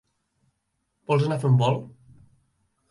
Vols anar a fer un volt?